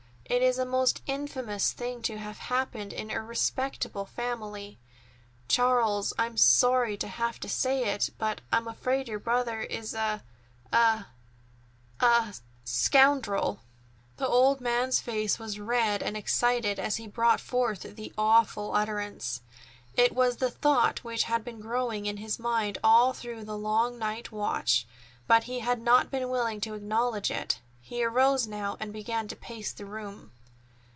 It is a most infamous thing to have happened in a respectable family. Charles, I'm sorry to have to say it, but I'm afraid your brother is a—a—a—scoundrel!" The old gentleman's face was red and excited as he brought forth the awful utterance. It was the thought which had been growing in his mind all through the long night watch, but he had not been willing to acknowledge it. He arose now and began to pace the room.